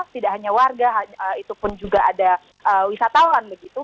tidak hanya warga itu pun juga ada wisatawan begitu